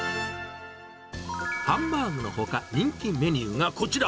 ハンバーグのほか、人気メニューがこちら。